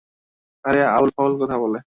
আরে আউল-ফাউল কথা বলে।